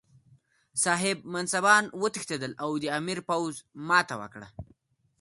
صاحب منصبان وتښتېدل او د امیر پوځ ماته وکړه.